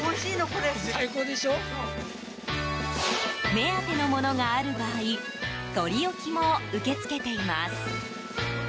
目当てのものがある場合取り置きも受け付けています。